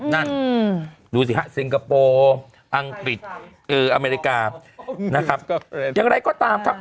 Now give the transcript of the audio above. นั่นดูสิฮะซิงคโปร์อังกฤษอเมริกานะครับอย่างไรก็ตามครับ